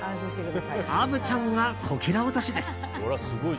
虻ちゃんが、こけら落としです。